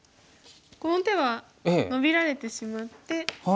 この手はノビられてしまって。